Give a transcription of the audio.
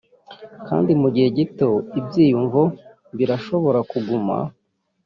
kandi mugihe gito ibyiyumvo birashobora kuguma ...